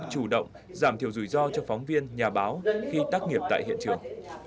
chủ động giảm thiểu rủi ro cho phóng viên nhà báo khi tác nghiệp tại hiện trường